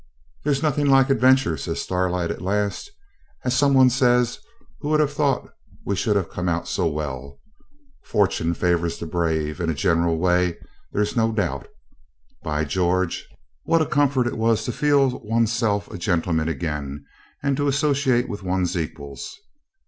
'There's nothing like adventure,' says Starlight, at last. 'As some one says, who would have thought we should have come out so well? Fortune favours the brave, in a general way, there's no doubt. By George! what a comfort it was to feel one's self a gentleman again and to associate with one's equals.